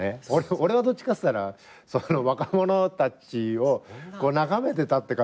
俺はどっちかっつったら若者たちを眺めてたって感じ。